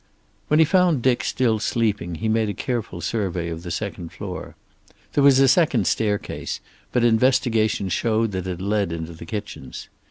When he found Dick still sleeping he made a careful survey of the second floor. There was a second staircase, but investigation showed that it led into the kitchens.